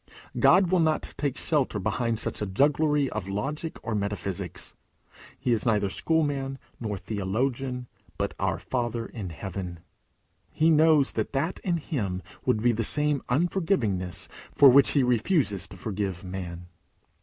God will not take shelter behind such a jugglery of logic or metaphysics. He is neither schoolman nor theologian, but our Father in heaven. He knows that that in him would be the same unforgivingness for which he refuses to forgive man.